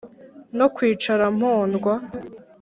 no kwicara mpondwa